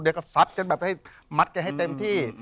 เดี๋ยวก็ซัดกันแบบให้มัดแกให้เต็มที่